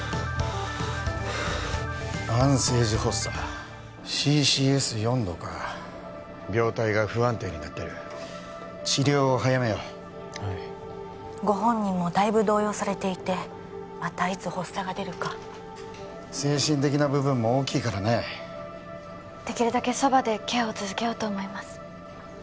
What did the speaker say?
安静時発作ＣＣＳ４度か病態が不安定になってる治療を早めようはいご本人もだいぶ動揺されていてまたいつ発作が出るか精神的な部分も大きいからねできるだけそばでケアを続けようと思います